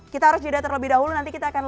kita harus jeda terlebih dahulu nanti kita akan